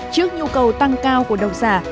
trước nhu cầu tăng cao của đồng giả